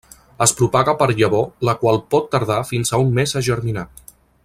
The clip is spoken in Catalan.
Es propaga per llavor la qual pot tardar fins a un mes a germinar.